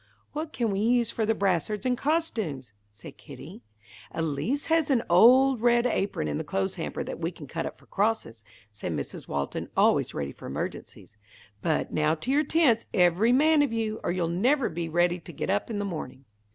"What can we use for the brassards and costumes?" said Kitty. "Elise has an old red apron in the clothes hamper that we can cut up for crosses," said Mrs. Walton, always ready for emergencies. "But now to your tents, every man of you, or you'll never be ready to get up in the morning."